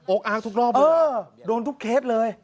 อาร์กทุกรอบเลยโดนทุกเคสเลย